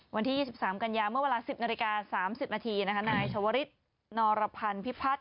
วันที่๒๓กันยาเมื่อเวลา๑๐นาฬิกา๓๐นาทีนายชวริสนรพันธ์พิพัฒน์